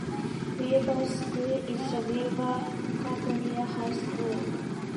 Wilber's school is the Wilber-Clatonia High School.